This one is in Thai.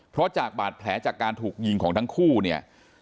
เพราะจากบาดแผลจากการถูกยิงของทั้งคู่เนี่ย